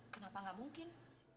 kenapa gak mungkin